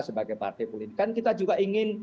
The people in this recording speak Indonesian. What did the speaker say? sebagai partai politik kan kita juga ingin